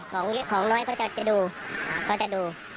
ของเยอะของน้อยเขาจะดู